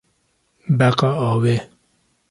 Beqa avê